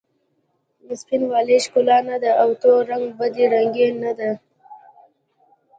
سپین والې ښکلا نه ده او تور رنګ بد رنګي نه ده.